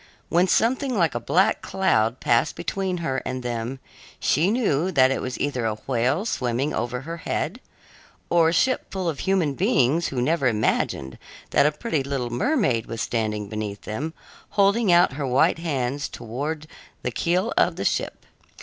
When something like a black cloud passed between her and them, she knew that it was either a whale swimming over her head, or a ship full of human beings who never imagined that a pretty little mermaid was standing beneath them, holding out her white hands towards the keel of their ship.